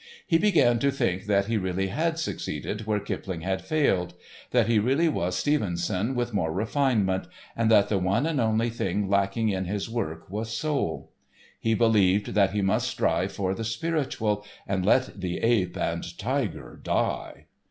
He began to think that he really had succeeded where Kipling had failed; that he really was Stevenson with more refinement, and that the one and only thing lacking in his work was soul. He believed that he must strive for the spiritual, and "let the ape and tiger die."